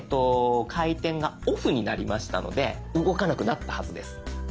回転が「ＯＦＦ」になりましたので動かなくなったはずです。